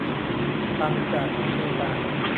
ตันจากอำเภอต่าง